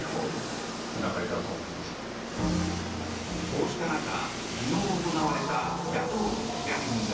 こうした中、昨日行われた野党のヒアリング。